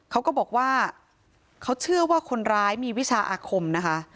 เขาก็บอกว่าเขาเชื่อว่าคนร้ายมีวิชาอาคมนะคะ